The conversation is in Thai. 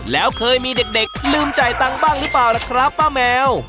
แล้วเคยมีเด็กลืมจ่ายตังค์บ้างหรือเปล่าล่ะครับป้าแมว